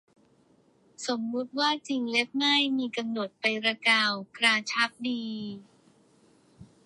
สมมติว่าจริงแบบไม่มีกำหนดไปละกัน กระชับดี